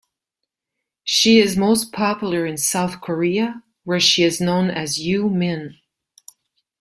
She is most popular in South Korea, where she is known as Yoo Min.